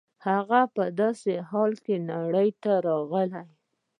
هغه په داسې حال کې نړۍ ته راغی